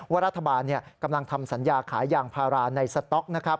ว่ารัฐบาลกำลังทำสัญญาขายยางพาราในสต๊อกนะครับ